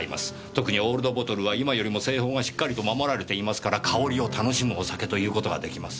特にオールドボトルは今よりも製法がしっかりと守られていますから香りを楽しむお酒と言う事が出来ます。